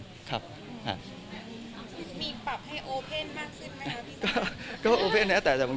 มีปรับให้โอเปียนมากเสร็จไหมครับ